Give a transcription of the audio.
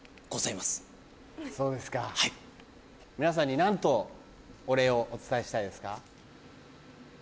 皆さんに何とお礼をお伝えしたいですか？